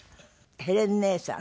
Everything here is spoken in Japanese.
ヘレン姉さん。